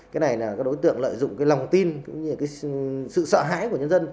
cái này là đối tượng lợi dụng cái lòng tin cũng như sự sợ hãi của nhân dân